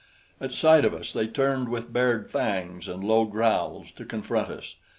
At sight of us they turned with bared fangs and low growls to confront us.